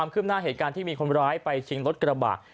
ขึ้นหน้าเหตุการณ์ที่มีคนร้ายไปชิงรถกระบะ